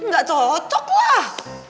gak cocok lah